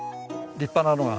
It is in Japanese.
立派なのが。